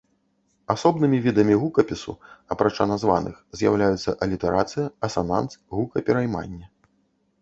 Асобнымі відамі гукапісу, апрача названых, з'яўляюцца алітэрацыя, асананс, гукаперайманне.